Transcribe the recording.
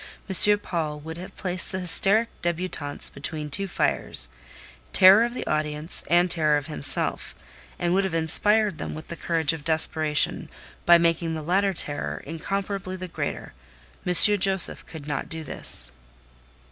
M. Paul would have placed the hysteric débutantes between two fires—terror of the audience, and terror of himself—and would have inspired them with the courage of desperation, by making the latter terror incomparably the greater: M. Josef could not do this.